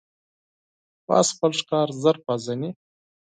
باز خپل ښکار ژر پېژني